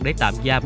để tạm giam